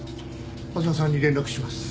浅輪さんに連絡します。